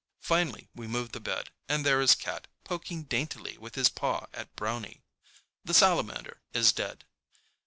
Finally, we move the bed, and there is Cat poking daintily with his paw at Brownie. The salamander is dead.